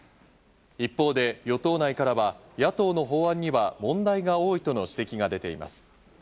一方で、与党内からは野党の法案には問題が多いとの指摘が出ています。